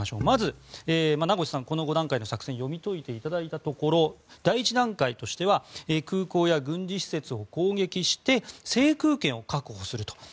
まず、名越さんにこの５段階の作戦を読み解いていただいたところ第１段階としては空港や軍事施設を攻撃して制空権を確保すると。